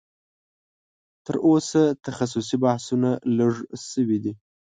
تر اوسه تخصصي بحثونه لږ شوي دي